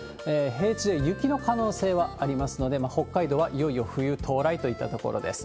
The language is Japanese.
平地で雪の可能性はありますので、北海道はいよいよ冬到来といったところです。